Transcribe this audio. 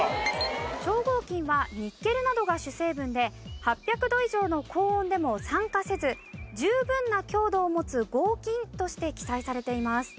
超合金はニッケルなどが主成分で８００度以上の高温でも酸化せず十分な強度を持つ合金として記載されています。